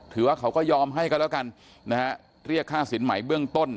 เขาก็ยอมให้ก็แล้วกันนะฮะเรียกค่าสินใหม่เบื้องต้น